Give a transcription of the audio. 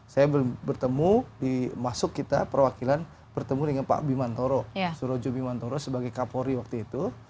saya bertemu di masuk kita perwakilan bertemu dengan pak bimantoro surojo bimantoro sebagai kapolri waktu itu